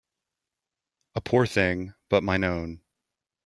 A poor thing, but mine own